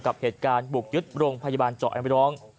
กับเหตุการณ์บุกยุทธ์โรงพยาบาลเจาะแงะบริร้อง